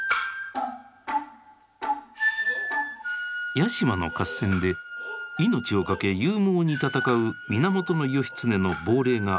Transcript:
八島の合戦で命を懸け勇猛に戦う源義経の亡霊が現れる「八島」。